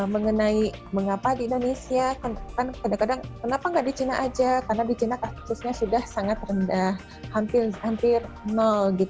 mengenai mengapa di indonesia kan kadang kadang kenapa nggak di china aja karena di china kasusnya sudah sangat rendah hampir nol